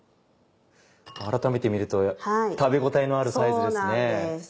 改めて見ると食べ応えのあるサイズですね。